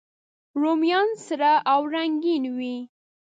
رومیان سره او رنګین وي